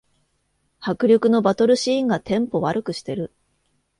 迫力のバトルシーンがテンポ悪くしてる